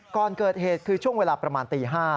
ก่อนเกิดเหตุคือช่วงเวลาประมาณตี๕